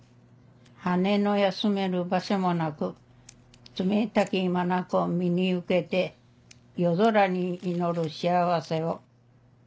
羽根の休める場所もなく冷たき眼身に受けて夜空に祈る幸せを」。